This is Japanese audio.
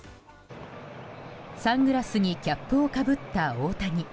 サングラスにキャップをかぶった大谷。